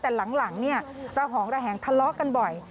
แต่หลังเนี่ยระหองระแหงทะเลาะกันบ่อย